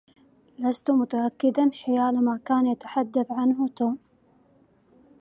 لست متأكدا حيال ما كان يتحدث توم عنه.